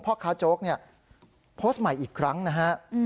พ่อค้าโจ๊กเนี่ยโพสต์ใหม่อีกครั้งนะฮะ